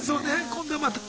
今度また。